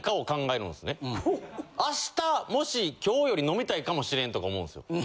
明日もし今日より飲みたいかもしれんとか思うんですよ。